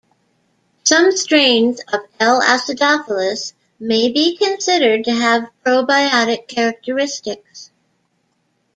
Some strains of "L. acidophilus" may be considered to have probiotic characteristics.